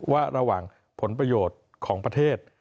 ว่าระหว่างผลประโยชน์ของประเทศ